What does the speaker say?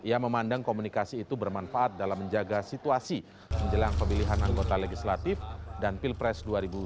ia memandang komunikasi itu bermanfaat dalam menjaga situasi menjelang pemilihan anggota legislatif dan pilpres dua ribu sembilan belas